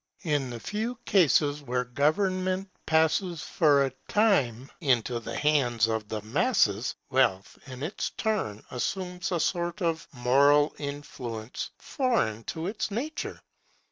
In the few cases where government passes for a time into the hands of the masses, wealth in its turn assumes a sort of moral influence foreign to its nature.